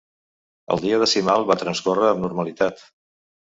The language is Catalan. El dia Decimal va transcórrer amb normalitat.